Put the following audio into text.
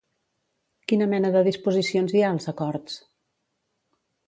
Quina mena de disposicions hi ha als acords?